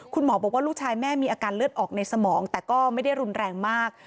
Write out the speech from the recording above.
คุณหมอบอกว่าลูกชายแม่มีอาการเลือดออกในสมองแต่ก็ไม่ได้รุนแรงมาก